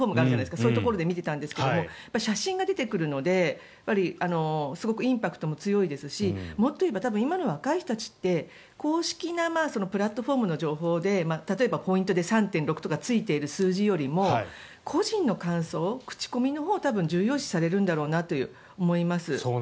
そういうところで見てたんですけど写真が出てくるのですごくインパクトも強いですしもっと言えば今の若い人たちって公式なプラットフォームの情報で例えば、ポイントで３．６とかついている数字よりも個人の感想口コミのほうを重要視されるんだろうなと思います。